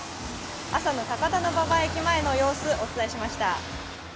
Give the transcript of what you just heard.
朝の高田馬場駅前の様子、お伝えしました。